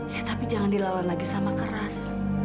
ya tapi jangan dilawan lagi sama keras